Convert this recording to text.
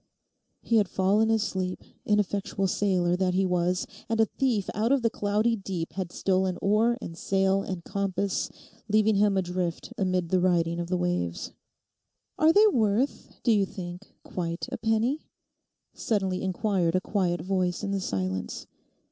He had fallen asleep, ineffectual sailor that he was, and a thief out of the cloudy deep had stolen oar and sail and compass, leaving him adrift amid the riding of the waves. 'Are they worth, do you think, quite a penny?' suddenly inquired a quiet voice in the silence.